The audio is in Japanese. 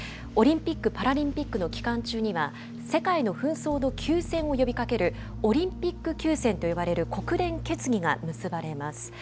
オリンピック・パラリンピックの期間中には世界の紛争の休戦を呼びかけるオリンピック休戦と呼ばれる国連決議が結ばれます。